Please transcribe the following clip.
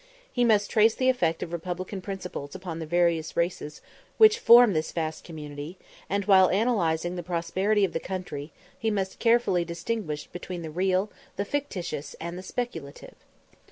He must trace the effect of Republican principles upon the various races which form this vast community; and, while analysing the prosperity of the country, he must carefully distinguish between the real, the fictitious, and the speculative.